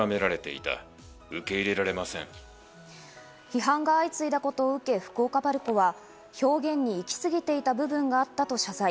批判が相次いだことを受け、福岡ＰＡＲＣＯは表現にいきすぎていた部分があったと謝罪。